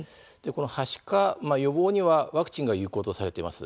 はしかの予防にはワクチンが有効とされています。